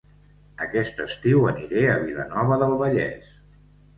Aquest estiu aniré a Vilanova del Vallès